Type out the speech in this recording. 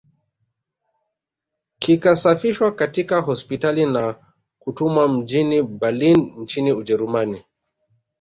Kikasafishwa katika hospitali na kutumwa mjini Berlin nchini Ujerumani